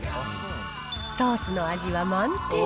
ソースの味は満点。